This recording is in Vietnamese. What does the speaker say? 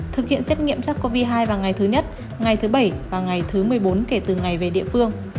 thực hiện xét nghiệm sars cov hai vào ngày thứ nhất ngày thứ bảy và ngày thứ một mươi bốn kể từ ngày về địa phương